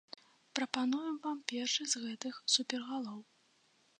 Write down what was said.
Прапануем вам першы з гэтых супергалоў.